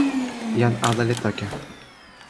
jan ala li toki.